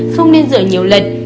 không nên rửa nhiều lần